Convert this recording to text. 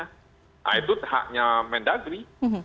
nah itu haknya mendagri